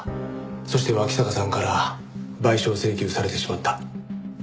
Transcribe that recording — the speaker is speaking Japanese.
そして脇坂さんから賠償請求されてしまった。